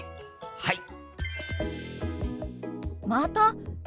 はい！